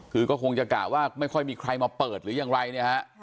คือก็คงจะกะว่าไม่ค่อยมีใครมาเปิดหรือยังไรเนี่ยฮะ